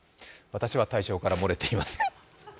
私は対象から漏れています。